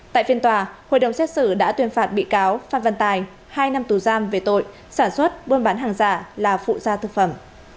tại phiên tòa hội đồng xét xử đã tuyên phạt bị cáo phan văn tài hai năm tù giam về tội sản xuất buôn bán hàng giả là phụ gia thực phẩm